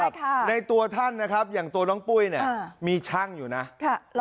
ค่ะในตัวท่านนะครับอย่างตัวน้องปุ้ยเนี่ยมีช่างอยู่นะค่ะ